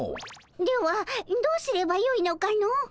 ではどうすればよいのかの？